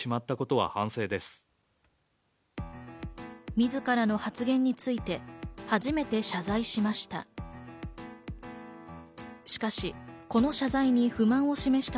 自らの発言について初めて謝罪しました。